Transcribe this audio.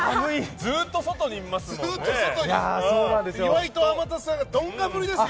ずっと外にいますもんね。